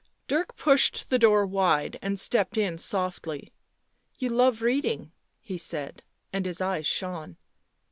Dirk pushed the door wide and stepped in softly. " You love reading," he said, and his eyes shone.